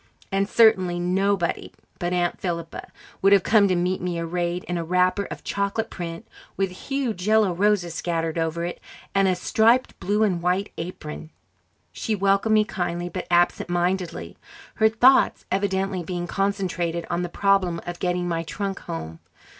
And certainly nobody but Aunt Philippa would have come to meet me arrayed in a wrapper of chocolate print with huge yellow roses scattered over it, and a striped blue and white apron! She welcomed me kindly but absent mindedly, her thoughts evidently being concentrated on the problem of getting my trunk home.